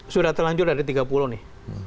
sudah terlanjur dari tiga puluh nih